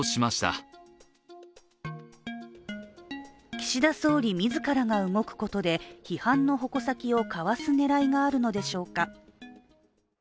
岸田総理、自らが動くことで批判の矛先をかわす狙いがあるのでしょうか。